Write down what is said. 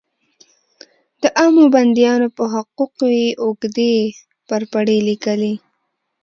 د عامو بندیانو په حقوقو یې اوږدې پرپړې لیکلې.